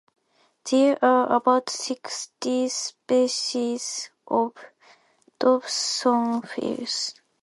There are about sixty species of dobsonflies.